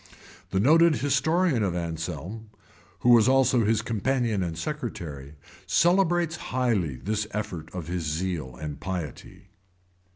The noted historian of Anselm, who was also his companion and secretary, celebrates highly this effort of his zeal and piety.